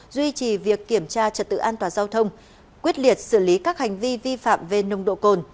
duy trì việc kiểm tra trật tự an toàn giao thông quyết liệt xử lý các hành vi vi phạm về nồng độ cồn